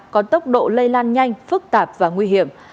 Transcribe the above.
có tốc độ lây lan nhanh phức tạp và nguy hiểm